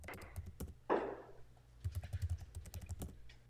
Po potravě pátrá na zemi nebo v husté nízké vegetaci.